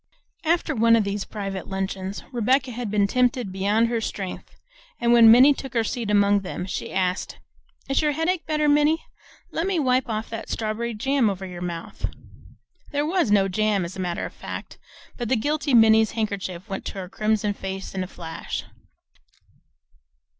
After one of these private luncheons Rebecca had been tempted beyond her strength, and when Minnie took her seat among them asked, "Is your headache better, Minnie? Let me wipe off that strawberry jam over your mouth." There was no jam there as a matter of fact, but the guilty Minnie's handkerchief went to her crimson face in a flash.